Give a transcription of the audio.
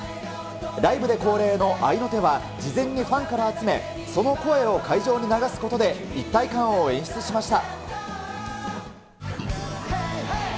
ライブで恒例の合いの手は事前にファンから集め、その声を会場に流すことで一体感を演出しました。